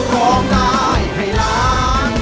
เราผู้แอด